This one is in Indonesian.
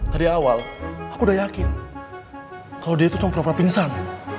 tadi awal aku udah yakin kalo dia itu cuma perap rap insan